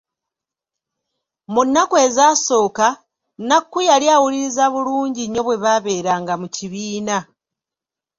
Mu nnaku ezasooka, Nnakku yali awuliriza bulungi nnyo bwe baabeeranga mu kibiina.